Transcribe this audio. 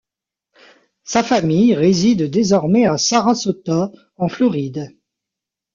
Sa famille réside désormais à Sarasota, en Floride.